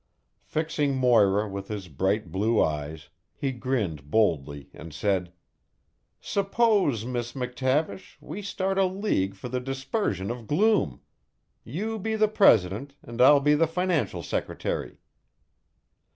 Fixing Moira with his bright blue eyes, he grinned boldly and said: "Suppose, Miss McTavish, we start a league for the dispersion of gloom. You be the president, and I'll be the financial secretary."